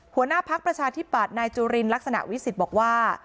หัวหน้าพักประชาธิปัตย์นายจุลินลักษณะวิสิทธิ์บอกว่า